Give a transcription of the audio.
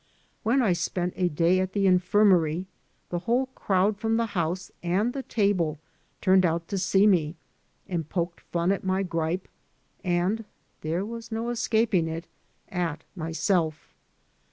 When I spent a day at the infirmary the whole crowd from the house and the table turned out to see me and poked fun at my grippe and (there was no escaping it) at myself.